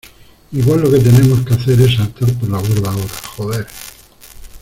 igual lo que tenemos que hacer es saltar por la borda ahora, joder.